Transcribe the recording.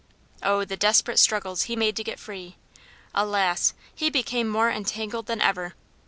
Oh, the desperate struggles he made to get free! Alas! he became more entangled than ever.